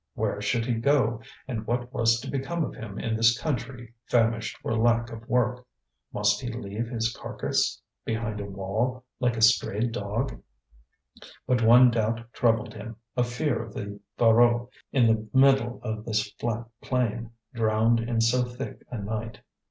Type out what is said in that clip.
Where should he go, and what was to become of him in this country famished for lack of work? Must he leave his carcass behind a wall, like a strayed dog? But one doubt troubled him, a fear of the Voreux in the middle of this flat plain, drowned in so thick a night.